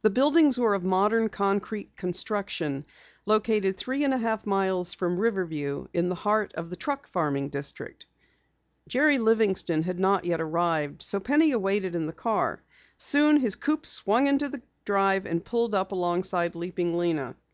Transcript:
The buildings were of modern concrete construction, located three and a half miles from Riverview in the heart of the truck farming district. Jerry Livingston had not yet arrived, so Penny waited in the car. Soon his coupe swung into the drive and pulled up alongside Leaping Lena.